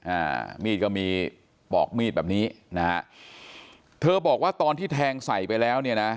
อ่ามีดก็มีปอกมีดแบบนี้นะฮะเธอบอกว่าตอนที่แทงใส่ไปแล้วเนี่ยนะ